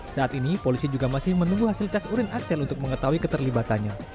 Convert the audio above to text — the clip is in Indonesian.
saat ini polisi juga masih menunggu hasil tes urin aksen untuk mengetahui keterlibatannya